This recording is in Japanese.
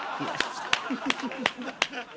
ハハハハ！